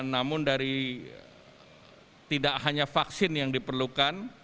namun dari tidak hanya vaksin yang diperlukan